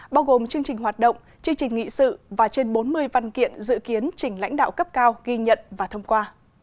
bao gồm chương trình hoạt động chương trình nghị sự và trên bốn mươi văn kiện dự kiến trình lãnh đạo cấp cao ghi nhận và thông qua